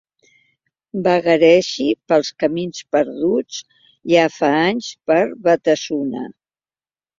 Vagaregi pels camins perduts, ja fa anys, per Batasuna.